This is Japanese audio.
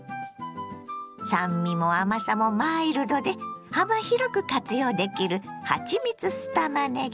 酸味も甘さもマイルドで幅広く活用できる「はちみつ酢たまねぎ」。